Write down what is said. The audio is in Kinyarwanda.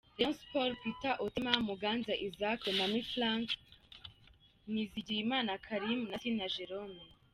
Rayon Sports: Peter Otema, Muganza Isaac, Lomami Frank, Nizigiyimana Kharim na Sina Jerome.